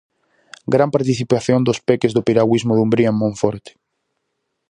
Gran participación dos peques do Piragüismo Dumbría en Monforte.